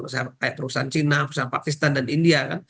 seperti perusahaan cina perusahaan pakistan dan india